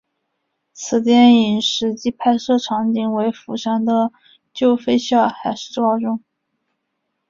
此电影实际拍摄场景为釜山的旧废校海事高中。